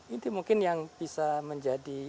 ini mungkin yang bisa menjadi